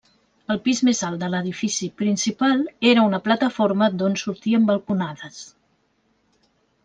El pis més alt de l'edifici principal era una plataforma d'on sortien balconades.